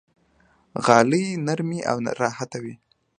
غالۍ نرمې او راحته وي.